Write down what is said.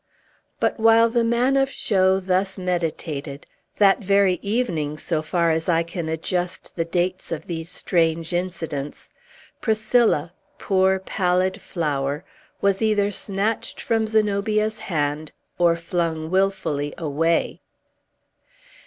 But, while the man of show thus meditated, that very evening, so far as I can adjust the dates of these strange incidents, Priscilla poor, pallid flower! was either snatched from Zenobia's hand, or flung wilfully away!